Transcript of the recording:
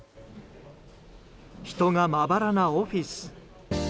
人がまばらなオフィス。